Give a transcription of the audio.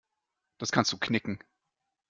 Das kannst du knicken.